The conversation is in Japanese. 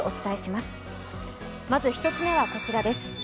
まず１つめはこちらです。